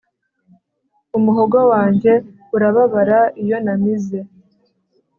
umuhogo wanjye urababara iyo namize